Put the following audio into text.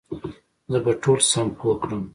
زه به ټول سم پوه کړم